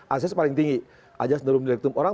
ajas paling tinggi ajas nurum direktum orang